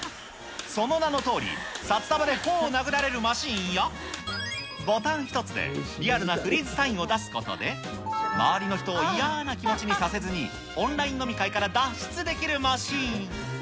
その名のとおり、札束で頬を殴られるマシーンや、ボタン一つでリアルなフリーズサインを出すことで、周りの人を嫌ーな気持ちにさせずに、オンライン飲み会から脱出できるマシーン。